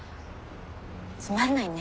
つまんないね。